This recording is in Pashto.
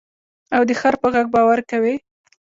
او د خر په غږ باور کوې.